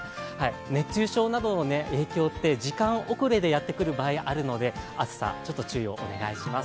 熱中症などの影響って時間遅れでやってくる場合があるので暑さ、ちょっと注意をお願いします。